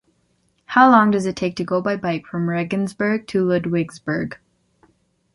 How long does it take to go by bike from Regensburg to Ludwigsburg?